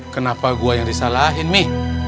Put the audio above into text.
kenapa gua yang disalahin mih